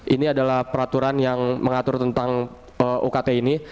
ini adalah peraturan yang mengatur tentang ukt ini